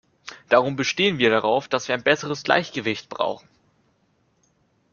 Darum bestehen wir darauf, dass wir ein besseres Gleichgewicht brauchen.